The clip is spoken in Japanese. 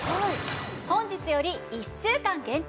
本日より１週間限定